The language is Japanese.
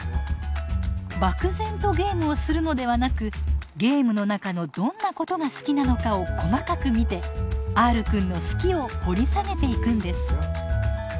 漠然とゲームをするのではなくゲームの中のどんなことが好きなのかを細かく見てＲくんの「好き」を掘り下げていくんです。